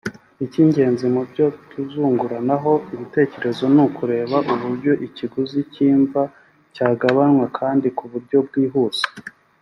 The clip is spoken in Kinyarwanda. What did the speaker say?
Icy’ingenzi mu byo tuzunguranaho ibitekerezo ni ukureba uburyo ikiguzi cy’imva cyagabanywa kandi ku buryo bwihuse